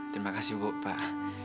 terima kasih bu pak